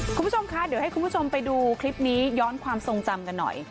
คุณผู้ชมคะเดี๋ยวให้คุณผู้ชมไปดูคลิปนี้ย้อนความทรงจำกันหน่อย